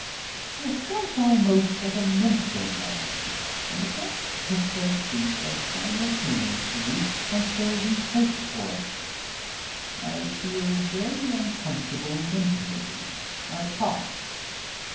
'' I felt almost like a minstrel man and the guests took their seats as simultaneously as though rehearsed for it. I feel very uncomfortable mentally. I cough.